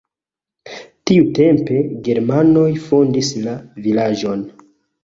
Tiutempe germanoj fondis la vilaĝon.